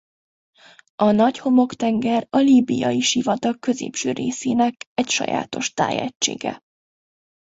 A Nagy-homoktenger a Líbiai-sivatag középső részének egy sajátos tájegysége.